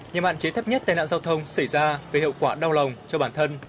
nhằm hạn chế thấp nhất tai nạn giao thông xảy ra với hiệu quả đau lòng cho bản thân